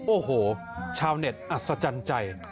โอ้โหชาวเน็ตอัศจรรย์ใจ